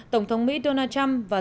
tổng thống mỹ donald trump và